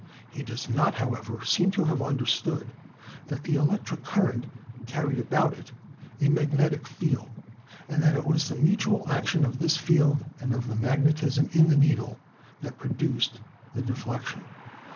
He does not, however, seem to have understood that the elec tric current carried about it a magnetic field, and that it was the mutual action of this field and of the magnetism in the needle that produced the deflection.